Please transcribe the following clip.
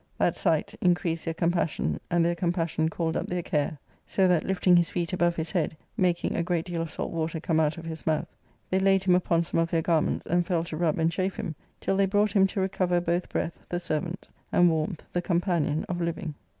That sight increased their compassion, and their compassion called up their care, so that, lifting his feet above his head, making a great deal of salt water come out of his mouth, they laid him upon some of their garments, and fell to rub and chafe him, till they brought him to recover both breath, the servant, and warmth, the companion of living.